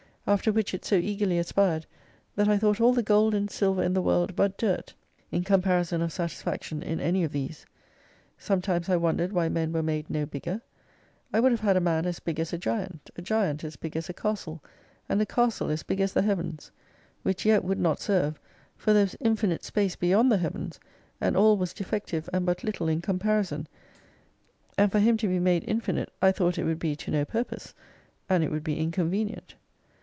After which it so eagerly aspired, that I thought all the gold and silver in the world but dirt, in comparison of satisfaction in any of these. Sometimes I wondered why men were made no bigger ? I would have had a man as big as a giant, a giant as big as a castle, and a castle as big as the Heavens. Which yet would not serve : for there was infinite space beyond the Heavens, and all was defective and but little in comparison ; and for him to be made infinite, I thought it would be to no purpose, and it would be inconvenient.